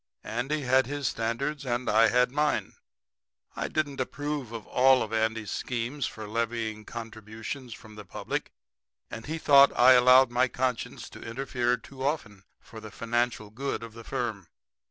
Andy had his standards and I had mine. I didn't approve of all of Andy's schemes for levying contributions from the public, and he thought I allowed my conscience to interfere too often for the financial good of the firm.